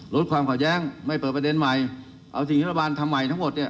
ลดความขัดแย้งไม่เปิดประเด็นใหม่เอาสิ่งที่รัฐบาลทำใหม่ทั้งหมดเนี่ย